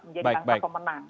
menjadi bangsa pemenang